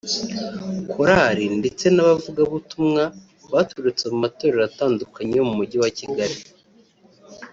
Korali ndetse n’abavugabutumwa baturutse mu matorero atandukanye yo mu Mujyi wa Kigali